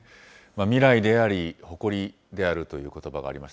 未来であり誇りであるということばがあります、